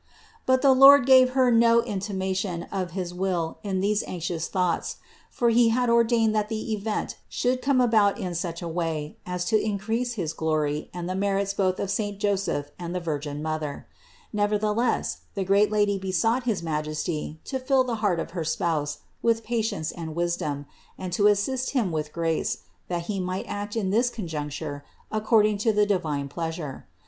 But the Lord gave Her no intimation of his will in these anxious thoughts; for He had ordained that the event should come about in such a way as to increase his glory and the merits both of saint Joseph and of the Virgin Mother. Nevertheless the great Lady besought his Majesty to fill the heart of her THE INCARNATION 253 spouse with patience and wisdom, and to assist him with grace, that he might act in this conjuncture according to the divine pleasure.